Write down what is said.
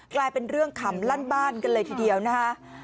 กลายเป็นเรื่องขำลั่นบ้านกันเลยทีเดียวนะคะ